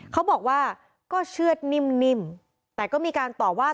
เขาบอกว่าก็เชื่อดนิ่มแต่ก็มีการตอบว่า